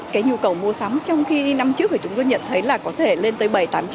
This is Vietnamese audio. cái nhu cầu mua sắm trong khi năm trước chúng tôi nhận thấy là có thể lên tới bảy trăm linh tám trăm linh